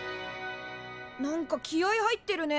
何か気合い入ってるね。